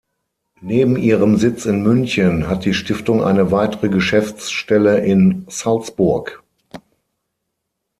Neben ihrem Sitz in München hat die Stiftung eine weitere Geschäftsstelle in Salzburg.